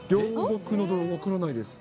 分からないです。